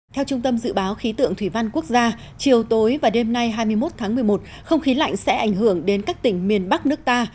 theo trung tâm dự báo khí tượng thủy văn quốc gia chiều tối và đêm nay hai mươi một tháng một mươi một không khí lạnh sẽ ảnh hưởng đến các tỉnh miền bắc nước ta